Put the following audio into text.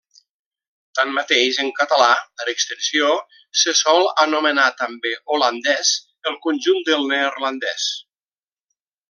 Tanmateix en català, per extensió, se sol anomenar també holandès el conjunt del neerlandès.